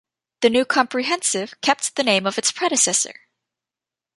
The new comprehensive kept the name of its predecessor.